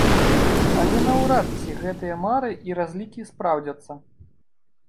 Але наўрад ці гэтыя мары і разлікі спраўдзяцца.